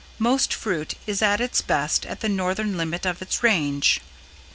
Most fruit is at its best at the Northern limit of its range.